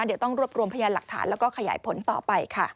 เดี๋ยวต้องรวบรวมพยานหลักฐานแล้วก็ขยายผลต่อไปค่ะ